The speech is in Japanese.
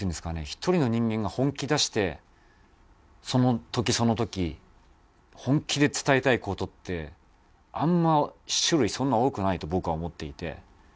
１人の人間が本気出してその時その時本気で伝えたい事ってあんまり種類そんな多くないと僕は思っていて。